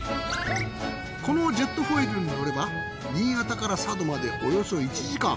このジェットフォイルに乗れば新潟から佐渡までおよそ１時間。